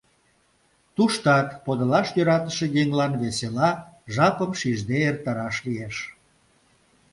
Туштат подылаш йӧратыше еҥлан весела, жапым шижде эртараш лиеш.